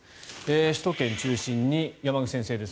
首都圏中心に、山口先生です。